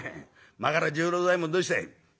真柄十郎左衛門どうしたい？」。